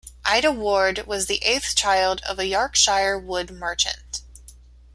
Ida Ward was the eighth child of a Yorkshire wool merchant.